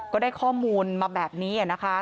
ก็ได้ข้อมูลมาแบบนี้นะคะ